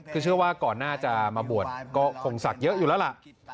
คือเชื่อว่าก่อนหน้าจะมาบวชก็คงศักดิ์เยอะอยู่แล้วล่ะ